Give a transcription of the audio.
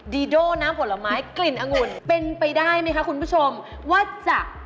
ดีโดน้ำผลไม้กลิ่นองุ่นเป็นไปได้ไหมคะคุณผู้ชมว่าจะ